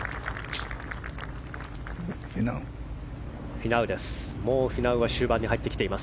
フィナウです。